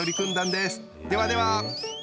ではでは！